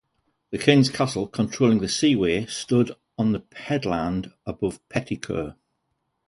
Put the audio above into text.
The King's castle, controlling the seaway, stood on the headland above Pettycur.